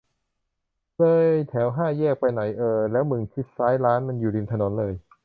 เลยแถวห้าแยกไปหน่อย เออ แล้วมึงชิดซ้าย ร้านมันอยู่ริมถนนเลย